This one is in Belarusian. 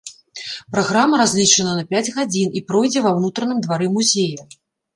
Праграма разлічана на пяць гадзін і пройдзе ва ўнутраным двары музея.